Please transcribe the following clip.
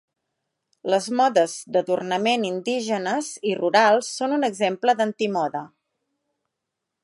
Les modes d'adornament indígenes i rurals són un exemple d'antimoda.